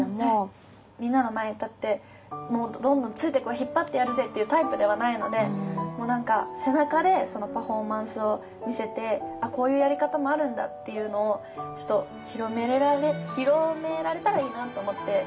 みんなの前に立ってどんどんついてこい引っ張ってやるぜっていうタイプではないのでもう何か背中でパフォーマンスを見せてこういうやり方もあるんだっていうのをちょっと広められたらいいなと思って。